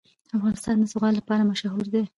افغانستان د زغال لپاره مشهور دی.